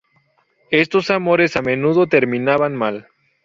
Estos amores a menudo terminaban mal.